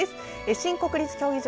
新国立競技場。